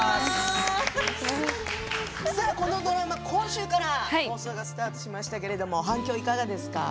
このドラマは今週から放送がスタートしましたけれども反響はいかがですか？